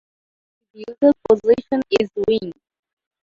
His usual position is wing.